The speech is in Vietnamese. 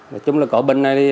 nói chung là có bệnh này